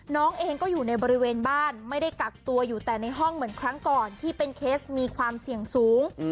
น้องเองก็อยู่ในบริเวณบ้านไม่ได้กักตัวอยู่แต่ในห้องเหมือนครั้งก่อนที่เป็นเคสมีความเสี่ยงสูง